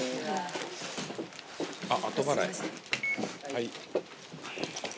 はい。